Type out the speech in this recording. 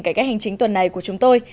cải cách hành chính tuần này của chúng tôi